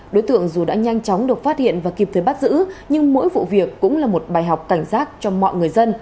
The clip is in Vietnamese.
đối tượng dù đã nhanh chóng được phát hiện và kịp thời bắt giữ nhưng mỗi vụ việc cũng là một bài học cảnh giác cho mọi người dân